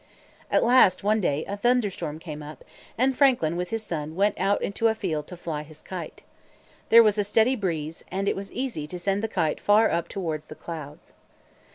At last, one day, a thunder storm came up, and Franklin, with his son, went out into a field to fly his kite. There was a steady breeze, and it was easy to send the kite far up towards the clouds.